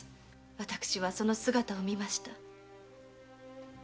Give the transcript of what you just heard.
私はその姿を見ました。